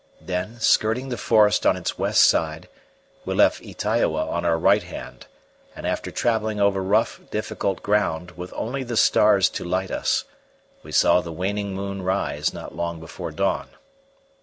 Then, skirting the forest on its west side, we left Ytaioa on our right hand, and after travelling over rough, difficult ground, with only the stars to light us, we saw the waning moon rise not long before dawn.